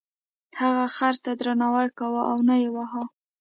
هغه خر ته درناوی کاوه او نه یې واهه.